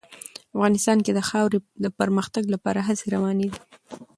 افغانستان کې د خاورې د پرمختګ لپاره هڅې روانې دي.